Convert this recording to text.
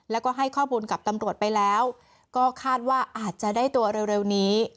แล้วก็ให้ข้อมูลกับตำรวจไปแล้วก็คาดว่าอาจจะได้ตัวเร็วนี้